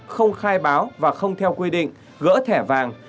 không khai báo và không theo quy định gỡ thẻ vàng